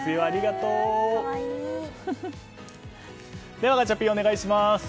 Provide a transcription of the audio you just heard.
ではガチャピン、お願いします。